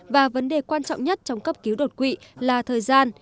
và vấn đề quan trọng nhất trong cấp cứu đột quỵ là thời gian